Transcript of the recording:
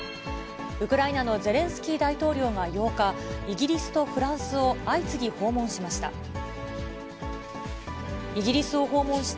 ウクライナのゼレンスキー大統領が、８日、イギリスとフランスを相次ぎ訪問しました。